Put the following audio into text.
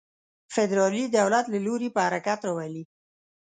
فدرالي دولت له لوري په حرکت راولي.